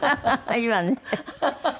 いいわね」